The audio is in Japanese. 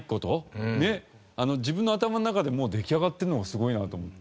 自分の頭の中でもう出来上がってるのがすごいなと思って。